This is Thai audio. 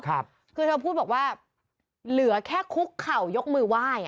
คือเธอพูดบอกว่าเหลือแค่คุกเข่ายกมือไหว้อ่ะ